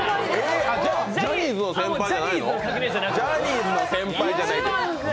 ジャニーズの先輩じゃないの！？